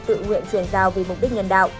tự nguyện truyền giao vì mục đích nhân đạo